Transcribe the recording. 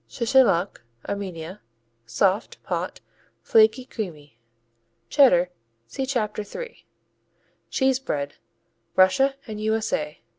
Chechaluk Armenia Soft; pot; flaky; creamy. Cheddar see Chapter 3. Cheese bread _Russia and U.S.A.